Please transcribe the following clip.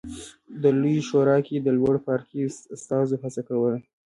د لویې شورا کې د لوړ پاړکي استازو هڅه کوله